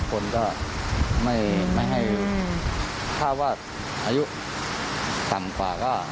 คนก็ไม่ต้องให้ภาพว่าอย่างอายุต่ำกว่า